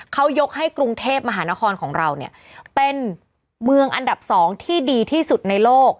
เขายกให้กรุงเทพมหานครของเราเนี่ยเป็นเมืองอันดับ๒ที่ดีที่สุดในโลก